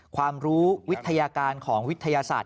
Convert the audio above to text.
ความรู้วิทยาการของวิทยาศาสตร์